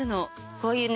こういうね